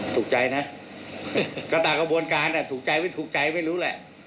ถูกใจนะก็ตามกระบวนการถูกใจไม่ถูกใจไม่รู้แหละ